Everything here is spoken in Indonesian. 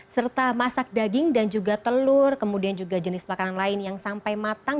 serta masak daging dan juga telur kemudian juga jenis makanan lain yang sampai matang